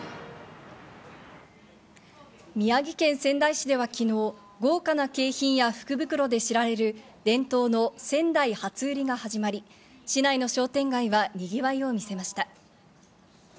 宮城県仙台市では昨日、豪華な景品や福袋で知られる伝統の仙台初売りが始まり、市内の商店街はにぎわいを見せました。